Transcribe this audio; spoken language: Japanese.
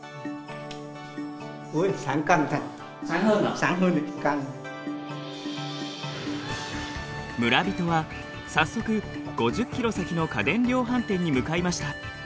村人は早速５０ｋｍ先の家電量販店に向かいました。